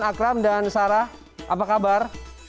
akram dan sarah apa kabar